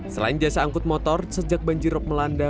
selain jasa angkut motor sejak banjir rob melanda